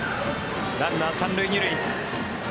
ランナー３塁２塁。